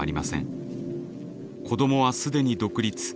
子どもは既に独立。